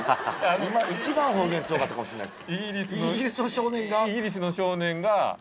今一番方言強かったかもしんないっす。